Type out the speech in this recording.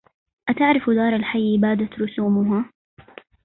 أتعرف دار الحي بادت رسومها